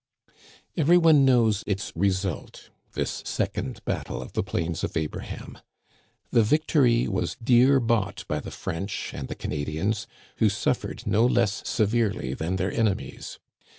Every one knows its result, this second battle of the Plains of Abraham. The victory was dear bought by the French and the Canadians, who suffered no less severely than their enemies.